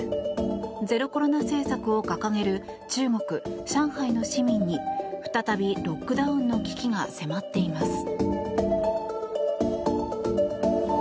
ゼロコロナ政策を掲げる中国・上海の市民に再びロックダウンの危機が迫っています。